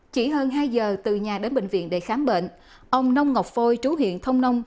chỉ hơn hai giờ từ nhà đến bệnh viện để khám bệnh ông nông ngọc phôi trú huyện thông nông